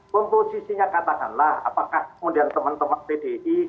komposisinya katakanlah apakah kemudian teman teman pdi